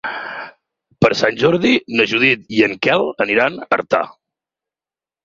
Per Sant Jordi na Judit i en Quel aniran a Artà.